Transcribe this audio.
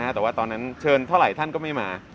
แต่ว่าตอนนั้นเชิญเท่าไหร่ท่านก็ไม่มา